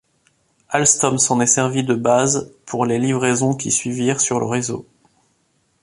Alstom s'en est servi de base pour les livraisons qui suivirent sur le réseau.